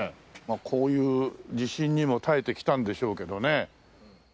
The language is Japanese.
こういう地震にも耐えてきたんでしょうけどね。